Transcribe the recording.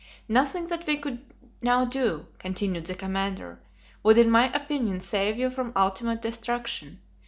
"Nothing that we could now do," continued the commander, "would in my opinion save you from ultimate destruction.